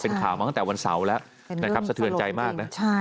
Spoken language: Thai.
เป็นข่าวมาตั้งแต่วันเสาร์แล้วนะครับสะเทือนใจมากนะ